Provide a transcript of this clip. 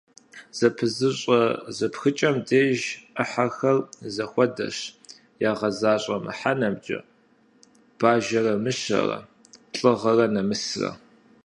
Зэпызыщӏэ зэпхыкӏэм деж ӏыхьэхэр зэхуэдэщ ягъэзащӏэ мыхьэнэкӏэ: бажэрэ мыщэрэ, лӏыгъэрэ нэмысрэ.